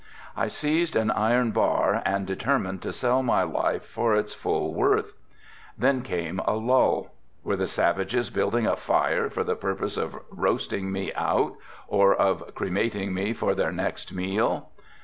I seized an iron bar and determined to sell my life for its full worth. Then came a lull. Were the savages building a fire for the purpose of roasting me out or of cremating me for their next meal?